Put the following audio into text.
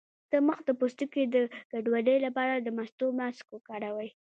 د مخ د پوستکي د ګډوډۍ لپاره د مستو ماسک وکاروئ